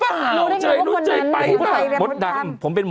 อาจารย์หมอต้องลียกได้นะเลย